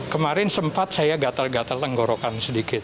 kemarin sempat saya gatal gatal tenggorokan sedikit